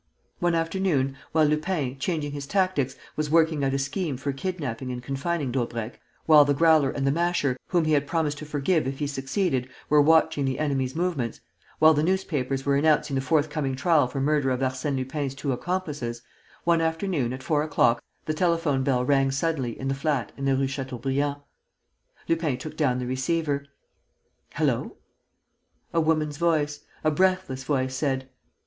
One afternoon, while Lupin, changing his tactics, was working out a scheme for kidnapping and confining Daubrecq; while the Growler and the Masher, whom he had promised to forgive if he succeeded, were watching the enemy's movements; while the newspapers were announcing the forthcoming trial for murder of Arsène Lupin's two accomplices, one afternoon, at four o'clock, the telephone bell rang suddenly in the flat in the Rue Chateaubriand. Lupin took down the receiver: "Hullo!" A woman's voice, a breathless voice, said: "M.